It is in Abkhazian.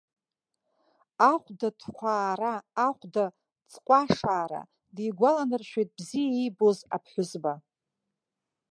Ахәда ҭхәаара, ахәда ҵҟәашәаара дигәаланаршәеит бзиа иибоз аԥҳәызба.